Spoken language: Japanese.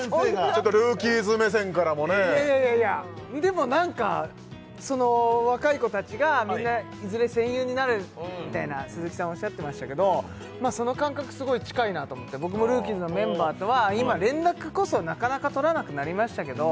ちょっと「ＲＯＯＫＩＥＳ」目線からもねいやいやいやいやでも何かその若い子たちがいずれ戦友になるみたいな鈴木さんおっしゃってましたけどその感覚すごい近いなと思って僕も「ＲＯＯＫＩＥＳ」のメンバーとは今連絡こそなかなか取らなくなりましたけど